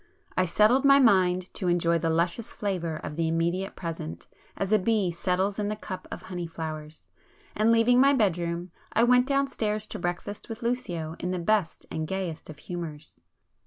I settled my mind to enjoy the luscious flavour of the immediate present, as a bee settles in the cup of honey flowers,—and, leaving my bedroom, I went downstairs to breakfast with Lucio in the best and gayest of humours.